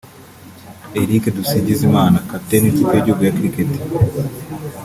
Eric Dusingizimana (kapiteni w’ikipe y’igihugu ya Cricket)